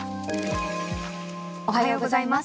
おはようございます。